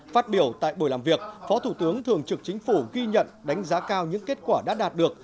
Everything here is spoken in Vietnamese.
phát biểu tại buổi làm việc phó thủ tướng thường trực chính phủ ghi nhận đánh giá cao những kết quả đã đạt được